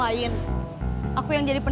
terima kasih kerena kebakaran